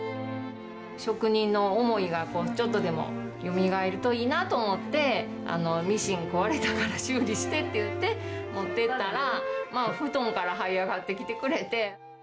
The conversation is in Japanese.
職人の思いがちょっとでもよみがえるといいなと思って、ミシン壊れたから修理してっていって、持っていったら、布団からはい上がってきてくれて。